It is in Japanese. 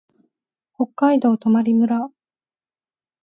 北海道泊村